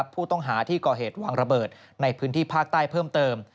ผู้ต้องหาที่ก่อเหตุวางระเบิดในพื้นที่ภาคใต้เพิ่มเติม